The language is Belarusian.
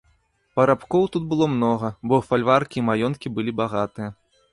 Парабкоў тут было многа, бо фальваркі і маёнткі былі багатыя.